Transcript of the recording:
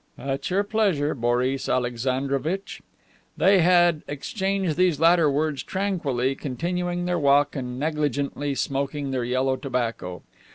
"At your pleasure, Boris Alexandrovitch." They had exchanged these latter words tranquilly continuing their walk and negligently smoking their yellow tobacco.